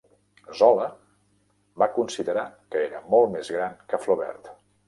Zola va considerar que era molt més gran que Flaubert.